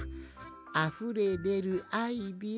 あふれでるアイデア